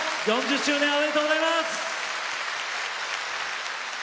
４０周年おめでとうございます。